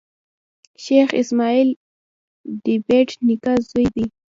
شېخ اسماعیل دبېټ نیکه زوی دﺉ.